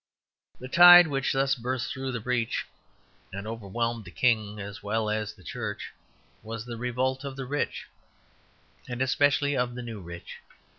The tide which thus burst through the breach and overwhelmed the King as well as the Church was the revolt of the rich, and especially of the new rich.